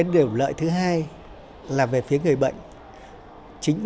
điều lợi thứ hai là chúng tôi sẽ có thể tăng cường thêm cơ sở vật chất trang thiết bị